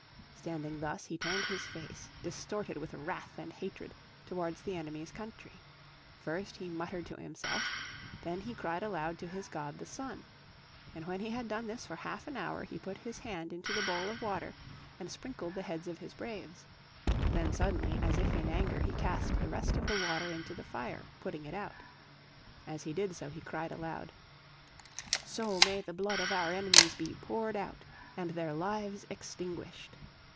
Standing thus he turned his face, distorted with wrath and hatred, towards the enemy's country. First he muttered to himself, then he cried aloud to his god the Sun. And when he had done this for half an hour he put his hand into the bowl of water, and sprinkled the heads of his braves. Then suddenly, as if in anger, he cast the rest of the water into the fire, putting it out. As he did so he cried aloud: "So may the blood of our enemies be poured out and their lives extinguished."